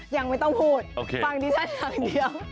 ยังไม่ต้องพูดฟังที่ฉันทั้งเดียวโอเค